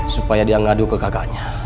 supaya dia ngadu ke kakaknya